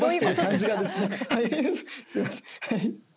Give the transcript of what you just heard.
すみません、はい。